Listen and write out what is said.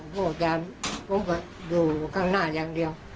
เพราะว่าจะผมก็ดูข้างหน้าอย่างเดียว